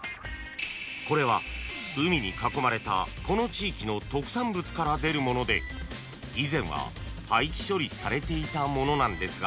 ［これは海に囲まれたこの地域の特産物から出るもので以前は廃棄処理されていたものなんですが］